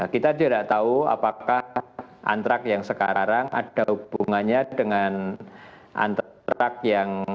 kita tidak tahu apakah antrak yang sekarang ada hubungannya dengan antrak yang